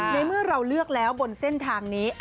ในเมื่อเราเลือกแล้วบนเส้นทางนี้